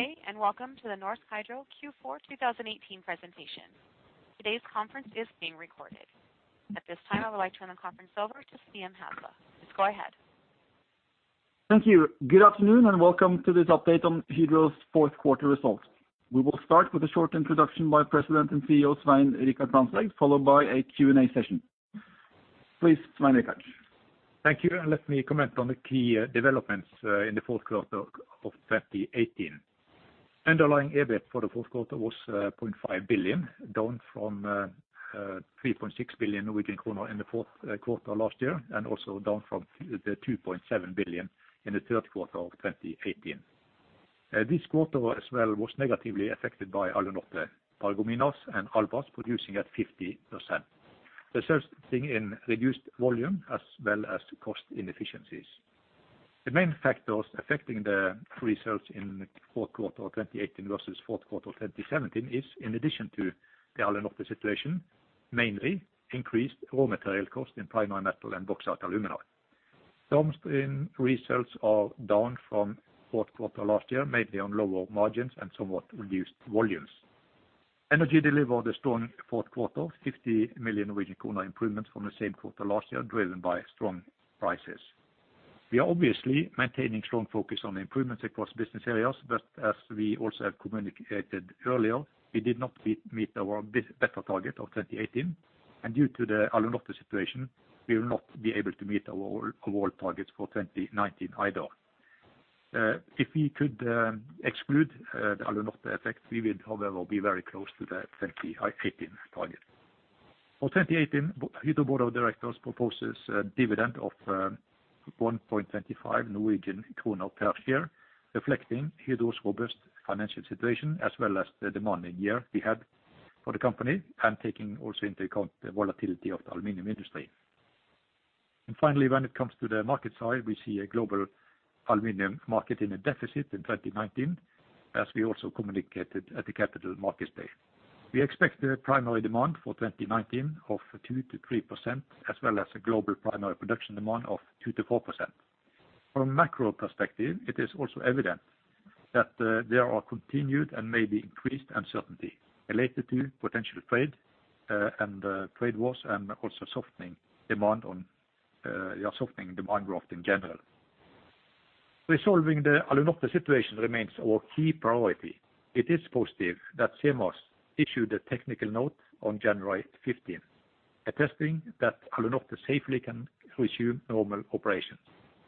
Okay, welcome to the Norsk Hydro Q4 2018 presentation. Today's conference is being recorded. At this time, I would like to turn the conference over to Stian Hasle. Please go ahead. Thank you. Good afternoon, and welcome to this update on Hydro's fourth quarter results. We will start with a short introduction by President and CEO Svein Richard Brandtzæg, followed by a Q&A session. Please, Svein Richard. Thank you, and let me comment on the key developments in the fourth quarter of 2018. Underlying EBIT for the fourth quarter was 0.5 billion, down from 3.6 billion Norwegian kroner in the fourth quarter last year, and also down from the 2.7 billion in the third quarter of 2018. This quarter as well was negatively affected by Alunorte. Paragominas and Albras producing at 50%. The servicing in reduced volume as well as cost inefficiencies. The main factors affecting the results in the fourth quarter 2018 versus fourth quarter 2017 is, in addition to the Alunorte situation, mainly increased raw material costs in primary metal and bauxite alumina. Some stream results are down from fourth quarter last year, mainly on lower margins and somewhat reduced volumes. Energy delivered a strong fourth quarter, 50 million improvement from the same quarter last year, driven by strong prices. We are obviously maintaining strong focus on improvements across business areas, but as we also have communicated earlier, we did not meet our B-better target of 2018. Due to the Alunorte situation, we will not be able to meet our overall targets for 2019 either. If we could exclude the Alunorte effect, we will however be very close to the 2018 target. For 2018, Hydro Board of Directors proposes a dividend of 1.25 Norwegian kroner per share, reflecting Hydro's robust financial situation as well as the demanding year we had for the company, and taking also into account the volatility of the aluminum industry. Finally, when it comes to the market side, we see a global aluminum market in a deficit in 2019, as we also communicated at the Capital Markets Day. We expect the primary demand for 2019 of 2%-3% as well as a global primary production demand of 2%-4%. From a macro perspective, it is also evident that there are continued and maybe increased uncertainty related to potential trade and trade wars and also softening demand on softening demand growth in general. Resolving the Alunorte situation remains our key priority. It is positive that SEMAS issued a technical note on January 15th, attesting that Alunorte safely can resume normal operations,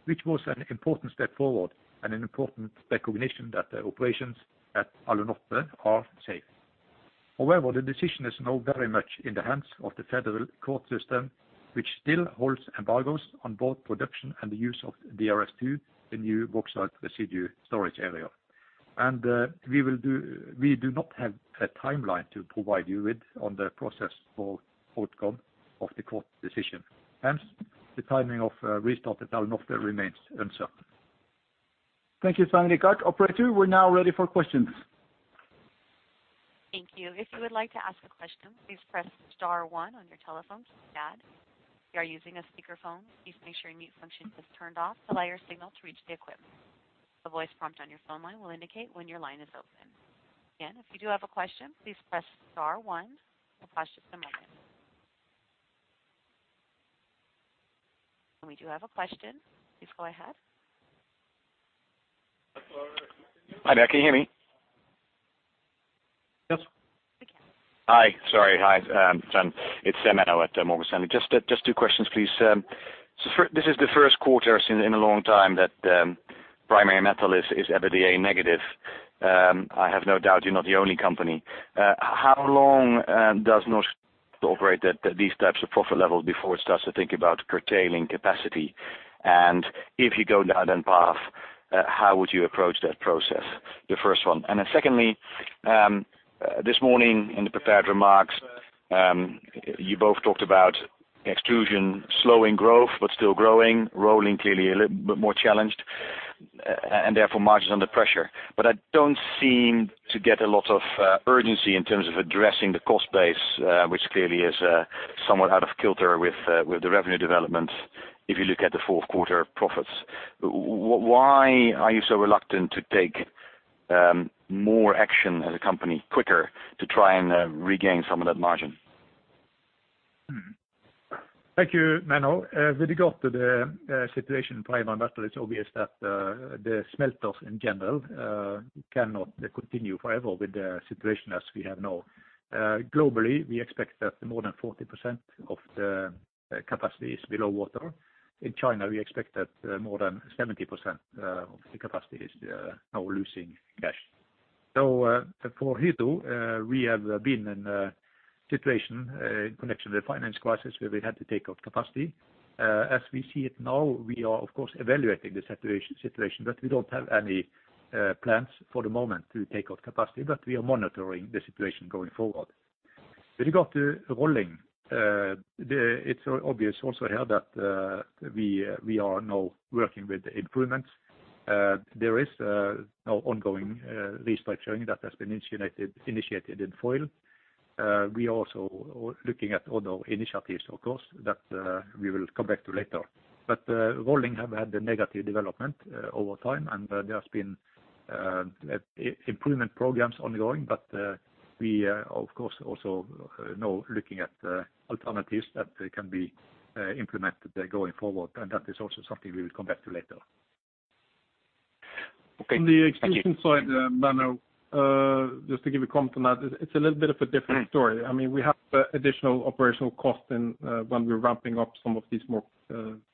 which was an important step forward and an important recognition that the operations at Alunorte are safe. The decision is now very much in the hands of the federal court system, which still holds embargoes on both production and the use of DRS2, the new bauxite residue deposit area. We do not have a timeline to provide you with on the process for outcome of the court decision, hence the timing of restart at Alunorte remains uncertain. Thank you, Svein Richard. Operator, we're now ready for questions. Thank you. If you would like to ask a question, please press star one on your telephones to add. If you are using a speakerphone, please make sure your mute function is turned off to allow your signal to reach the equipment. A voice prompt on your phone line will indicate when your line is open. Again, if you do have a question, please press star one. We'll pause just a moment. We do have a question. Please go ahead. Hi there. Can you hear me? Yes. We can. Hi. Sorry. Hi, Svein. It's Emmanuel at Morgan Stanley. Just two questions, please. This is the first quarter in a long time that primary metal is EBITDA negative. I have no doubt you're not the only company. How long does Norsk Hydro operate at these types of profit levels before it starts to think about curtailing capacity? If you go down that path, how would you approach that process? The first one. Secondly, this morning in the prepared remarks, you both talked about extrusion slowing growth but still growing, rolling clearly a little bit more challenged, and therefore margins under pressure. I don't seem to get a lot of urgency in terms of addressing the cost base, which clearly is somewhat out of kilter with the revenue developments if you look at the fourth quarter profits. Why are you so reluctant to take more action as a company quicker to try and regain some of that margin? Thank you, Emmanuel. With regard to the situation in primary metal, it's obvious that the smelters in general, cannot continue forever with the situation as we have now. Globally, we expect that more than 40% of the capacity is below water. In China, we expect that more than 70% of the capacity is now losing cash. For Hydro, we have been in a situation in connection with the finance crisis where we had to take out capacity. As we see it now, we are of course evaluating the situation, but we don't have any plans for the moment to take out capacity. We are monitoring the situation going forward. With regard to rolling, it's obvious also here that we are now working with improvements. There is now ongoing restructuring that has been initiated in foil. We also looking at other initiatives, of course, that we will come back to later. Rolling have had the negative development over time, and there has been improvement programs ongoing. We of course also now looking at alternatives that can be implemented going forward, and that is also something we will come back to later. Okay. Thank you. On the extrusion side, Mano, just to give a comment on that, it's a little bit of a different story. I mean, we have additional operational costs in when we're ramping up some of these more,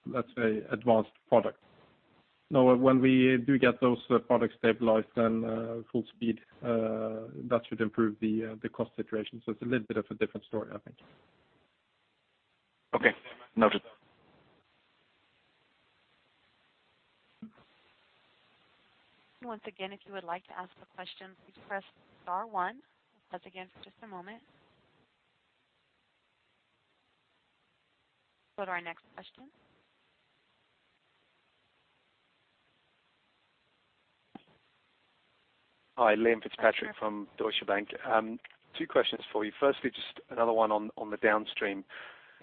let's say, advanced products. Now when we do get those products stabilized, then, full speed, that should improve the cost situation. It's a little bit of a different story I think. Okay. Noted. Once again, if you would like to ask a question, please press star one. Once again, for just a moment. Go to our next question. Hi, Liam Fitzpatrick from Deutsche Bank. Two questions for you. Firstly, just another one on the downstream.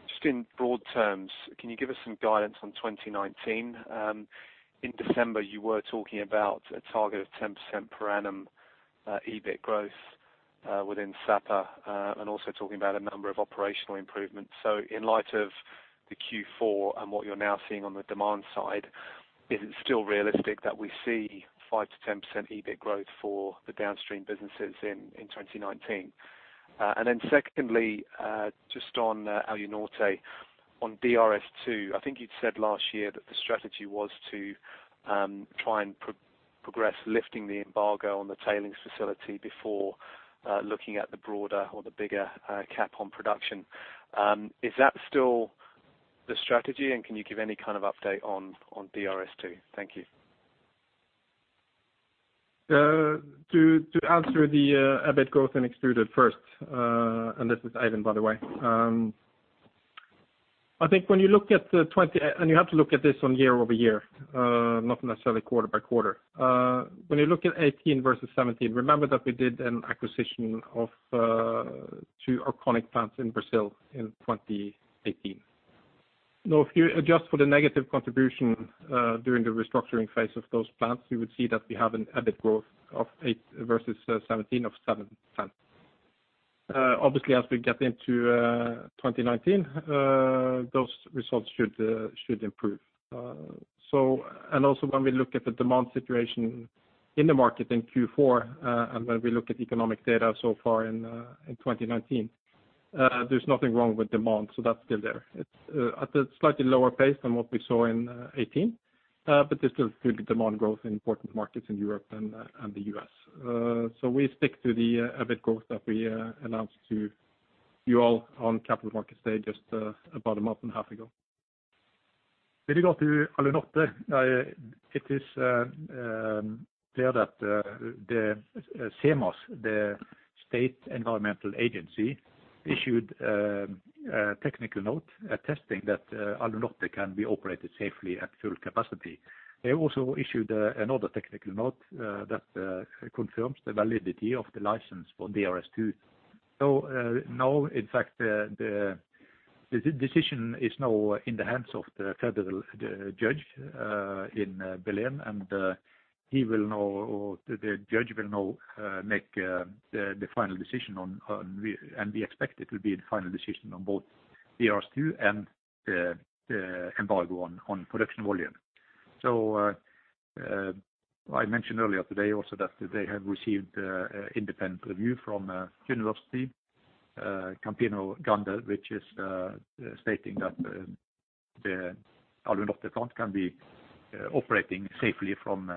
Just in broad terms, can you give us some guidance on 2019? In December, you were talking about a target of 10% per annum EBIT growth within Sapa, and also talking about a number of operational improvements. In light of the Q4 and what you're now seeing on the demand side, is it still realistic that we see 5%-10% EBIT growth for the downstream businesses in 2019? Secondly, just on Alunorte, on DRS2, I think you'd said last year that the strategy was to try and progress lifting the embargo on the tailings facility before looking at the broader or the bigger cap on production. Is that still the strategy, and can you give any kind of update on DRS2? Thank you. To answer the EBIT growth in extruded first, this is Ivan, by the way. You have to look at this on year-over-year, not necessarily quarter-by-quarter. When you look at 2018 versus 2017, remember that we did an acquisition of two Arconic plants in Brazil in 2018. If you adjust for the negative contribution during the restructuring phase of those plants, you would see that we have an EBIT growth of 8% versus 2017 of 7%. Obviously as we get into 2019, those results should improve. When we look at the demand situation in the market in Q4, and when we look at economic data so far in 2019, there's nothing wrong with demand, so that's still there. It's at a slightly lower pace than what we saw in 2018, but there's still good demand growth in important markets in Europe and the U.S. So we stick to the EBIT growth that we announced to you all on Capital Markets Day just about a month and a half ago. When you go to Alunorte, it is clear that the SEMAS, the State Environmental Agency, issued a technical note attesting that Alunorte can be operated safely at full capacity. They also issued another technical note that confirms the validity of the license for DRS2. Now, in fact, the decision is now in the hands of the federal judge in Belém. He will now, or the judge will now, make the final decision. We expect it will be the final decision on both DRS2 and the embargo on production volume. I mentioned earlier today also that they have received independent review from Federal University of Campina Grande, which is stating that the Alunorte plant can be operating safely from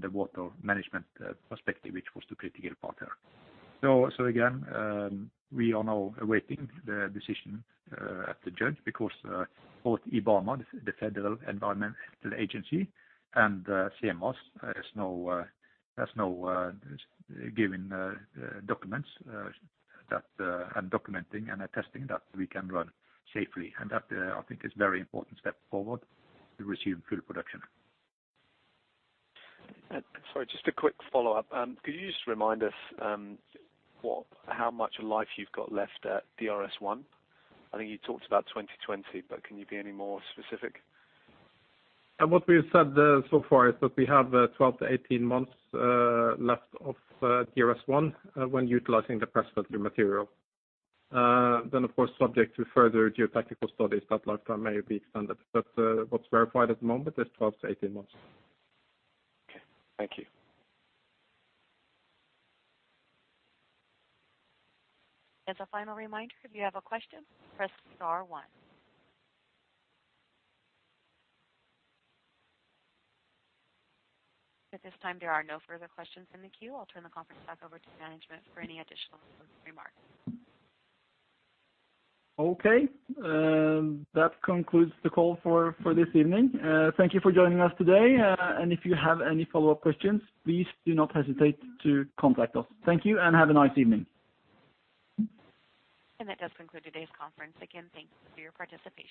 the water management perspective, which was the critical part there. Again, we are now awaiting the decision at the judge because both IBAMA, the Federal Environmental Agency, and SEMAS has now given documents that and documenting and attesting that we can run safely. That, I think is very important step forward to resume full production. Sorry, just a quick follow-up. Could you just remind us, how much life you've got left at DRS1? I think you talked about 2020, but can you be any more specific? What we have said so far is that we have 12 to 18 months left of DRS1 when utilizing the press filter material. Then, of course, subject to further geotechnical studies, that lifetime may be extended, but what's verified at the moment is 12 to 18 months. Okay. Thank you. As a final reminder, if you have a question, press star one. At this time, there are no further questions in the queue. I'll turn the conference back over to management for any additional remarks. Okay. That concludes the call for this evening. Thank you for joining us today. If you have any follow-up questions, please do not hesitate to contact us. Thank you. Have a nice evening. That does conclude today's conference. Again, thank you for your participation.